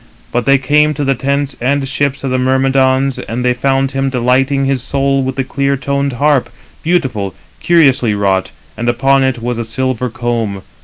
But they came to the tents and ships of the Myrmidons, and they found him delighting his soul with his clear toned harp, beautiful, curiously wrought, and upon it was a silver comb.